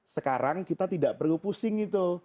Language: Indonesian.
sekarang kita tidak perlu pusing itu